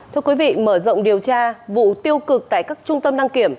thưa quý vị mở rộng điều tra vụ tiêu cực tại các trung tâm đăng kiểm